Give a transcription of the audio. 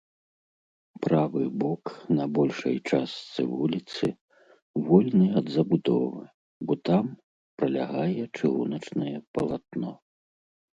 Правы бок на большай частцы вуліцы вольны ад забудовы, бо там пралягае чыгуначнае палатно.